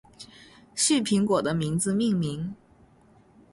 旭苹果的名字命名。